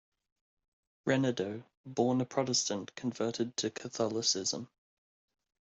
Renaudot, born a Protestant, converted to Catholicism.